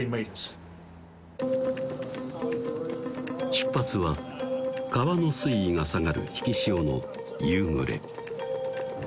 出発は川の水位が下がる引き潮の夕暮れ